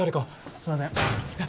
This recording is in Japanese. すいません